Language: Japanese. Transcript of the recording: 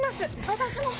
私も。